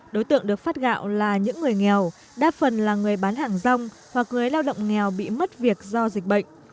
đối tượng được phát gạo là những người nghèo đa phần là người bán hàng rong hoặc người lao động nghèo bị mất việc do dịch bệnh